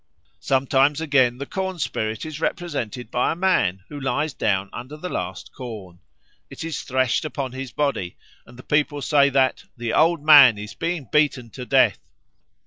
Sometimes, again, the corn spirit is represented by a man, who lies down under the last corn; it is threshed upon his body, and the people say that "the Old Man is being beaten to death."